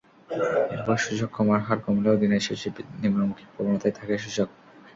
এরপর সূচক কমার হার কমলেও দিনের শেষে নিম্নমুখী প্রবণতায় থাকে সূচক।